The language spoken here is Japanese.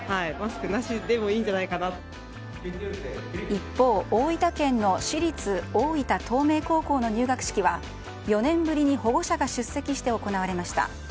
一方、大分県の私立大分東明高校の入学式は４年ぶりに保護者が出席して行われました。